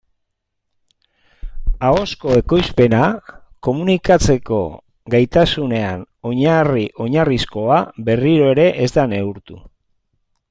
Ahozko ekoizpena, komunikatzeko gaitasunean oinarri-oinarrizkoa, berriro ere ez da neurtu.